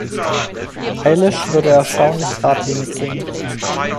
Eilish würde erstaunlich geradlinig singen.